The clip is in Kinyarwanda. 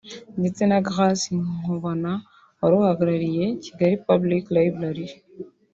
ndetse na Grace Nkubana wari uhagarariye Kigali Public Library